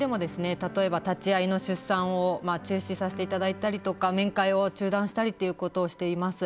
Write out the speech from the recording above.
例えば立ち会いの出産を中止させていただいたりとか面会を中断したりっていうことをしています。